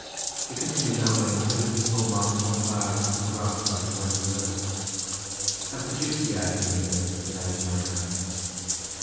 We continued our way, and presently saw marks of a fire in some grass by the side of the road. "Have the Gipsiaid been there?" said I to my guide.